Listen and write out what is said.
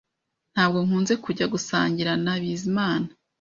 Ntabwo nkunze kujya gusangira na Bizimana